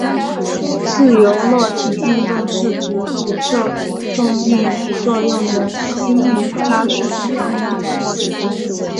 自由落体运动是指只受重力作用的均匀加速度运动过程。